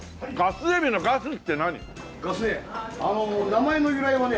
名前の由来はね